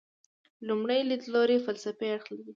لومړی لیدلوری فلسفي اړخ لري.